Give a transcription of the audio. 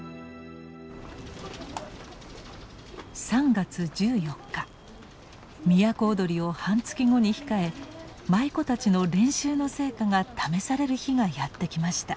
３月１４日都をどりを半月後に控え舞妓たちの練習の成果が試される日がやって来ました。